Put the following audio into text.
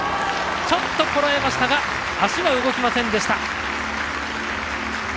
ちょっとこらえましたが足は動きませんでした。